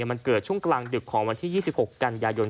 มันเกิดช่วงกลางดึกของวันที่๒๖กันยายน